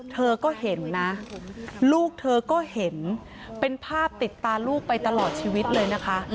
เธอก็เห็นนะลูกเธอก็เห็นเป็นภาพติดตาลูกไปตลอดชีวิตเลยนะคะ